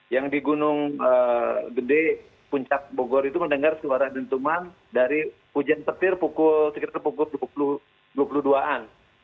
yang di gunung gede puncak bogor itu mendengar suara dentuman dari hujan petir sekitar pukul dua puluh dua an